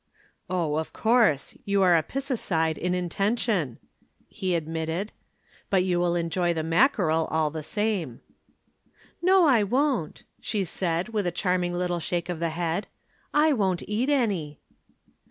"Oh, of course, you are a piscicide in intention," he admitted. "But you will enjoy the mackerel all the same." "No, I won't," she said with a charming little shake of the head, "I won't eat any."